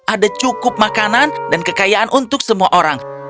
ada cukup makanan dan kekayaan untuk semua orang